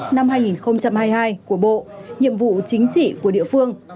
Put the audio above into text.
năm hai nghìn hai mươi hai của bộ nhiệm vụ chính trị của địa phương